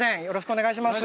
お願いします